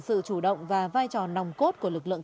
sự chủ động và vai trò nòng cốt của lực lượng